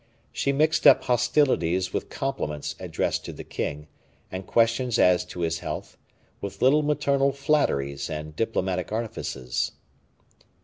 She mixed up hostilities with compliments addressed to the king, and questions as to his health, with little maternal flatteries and diplomatic artifices.